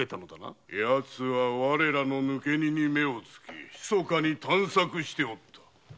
やつはわれらの抜け荷に目を付け密かに探索しておった。